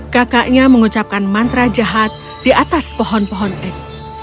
kakaknya mengucapkan mantra jahat di atas pohon pohon ek